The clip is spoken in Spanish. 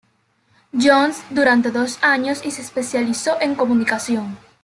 John's durante dos años y se especializó en comunicación.